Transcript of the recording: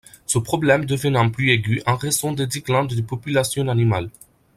Ce problème devenant plus aigu en raison des déclins des populations animales.